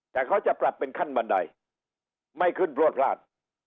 แต่เขาจะปรับเป็นขั้นบันไดไม่ขึ้นพลวดพลาด